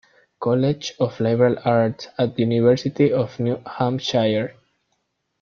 College of Liberal Arts at University of New Hampshire.